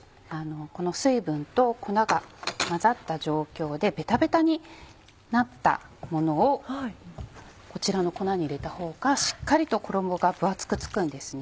この水分と粉が混ざった状況でベタベタになったものをこちらの粉に入れた方がしっかりと衣が分厚く付くんですね。